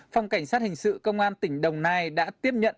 phòng cảnh sát hình sự công an tỉnh đồng nai đã tiếp nhận